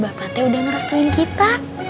bapak teh udah ngerestuin kita